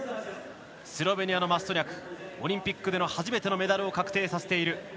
スロベニアのマストニャクオリンピックでの初めてのメダルを確定させている。